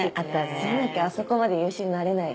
じゃなきゃあそこまで優秀になれないよ。